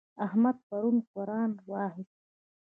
احمد پرون قرآن واخيست.